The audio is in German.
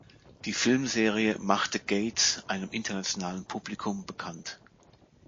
Die Filmserie machte Gades einem internationalen Publikum bekannt.